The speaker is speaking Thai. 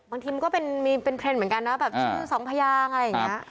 บางทีมันก็เป็นเทรนด์เหมือนกันนะแบบชื่อสองพยางอะไรอย่างนี้